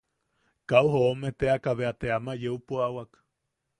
Kau joome teaka bea te ama yeu puʼawak.